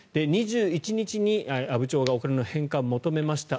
２１日に阿武町がお金の返還を求めました。